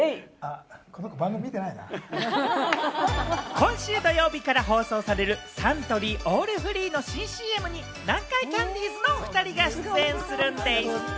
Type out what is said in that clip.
今週土曜日から放送されるサントリーオールフリーの新ＣＭに南海キャンディーズのお２人が出演するんでぃす！